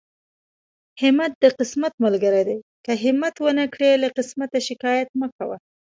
همت د قسمت ملګری دی، که همت ونکړې له قسمت شکايت مکوه.